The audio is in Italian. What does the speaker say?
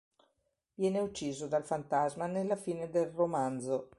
Viene ucciso dal Fantasma nella fine del romanzo.